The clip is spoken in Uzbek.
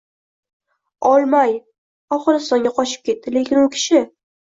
olmay, Afg‘onistonga qochib ketdi. Lekin u kishi